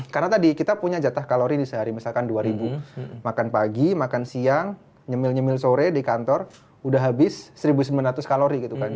karena tadi kita punya jatah kalori di sehari misalkan dua ribu makan pagi makan siang nyemil nyemil sore di kantor udah habis seribu sembilan ratus kalori gitu kan